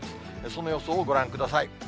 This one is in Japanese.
その予想をご覧ください。